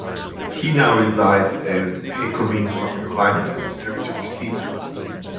He now resides in Hickory, North Carolina, and is married to Christina.